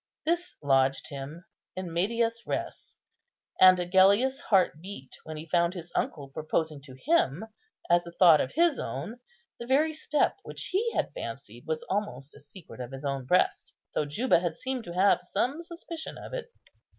This lodged him in medias res; and Agellius's heart beat when he found his uncle proposing to him, as a thought of his own, the very step which he had fancied was almost a secret of his own breast, though Juba had seemed to have some suspicion of it.